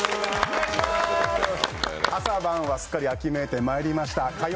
朝晩はすっかり秋めいてきました。